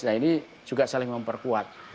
nah ini juga saling memperkuat